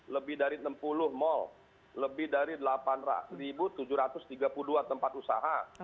lebih dari enam puluh mal lebih dari delapan tujuh ratus tiga puluh dua tempat usaha